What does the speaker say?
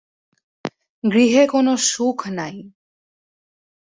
গৃহে কোনো সুখ নাই।